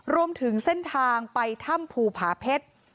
รวมถึงเส้นทางไปถ้ำภูผาเพชร